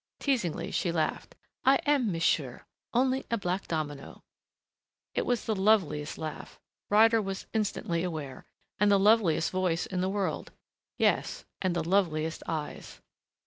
Teasingly, she laughed. "I am, monsieur, only a black domino!" It was the loveliest laugh, Ryder was instantly aware, and the loveliest voice in the world. Yes, and the loveliest eyes.